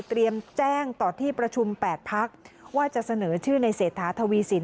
แจ้งต่อที่ประชุม๘พักว่าจะเสนอชื่อในเศรษฐาทวีสิน